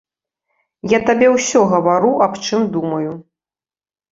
Я табе ўсё гавару, аб чым думаю.